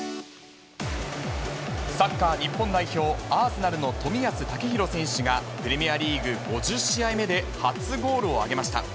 サッカー日本代表、アーセナルの冨安健洋選手が、プレミアリーグ５０試合目で初ゴールを挙げました。